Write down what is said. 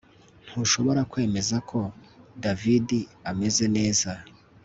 Ntushobora kwemeza ko David ameze neza